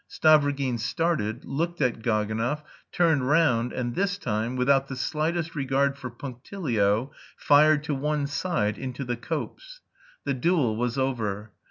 Stavrogin started, looked at Gaganov, turned round and this time, without the slightest regard for punctilio, fired to one side, into the copse. The duel was over.